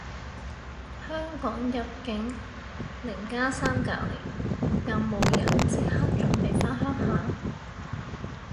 香港入境零加三隔離，有冇人即刻準備返鄉下